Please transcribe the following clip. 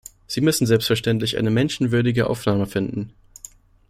Sie müssen selbstverständlich eine menschenwürdige Aufnahme finden.